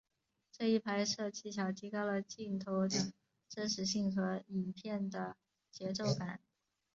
这一拍摄技巧提高了镜头的真实性和影片的节奏感。